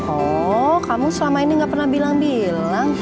oh kamu selama ini gak pernah bilang bilang